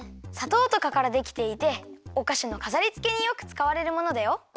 さとうとかからできていておかしのかざりつけによくつかわれるものだよ。